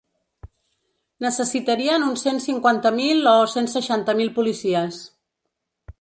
Necessitarien uns cent cinquanta mil o cent seixanta mil policies.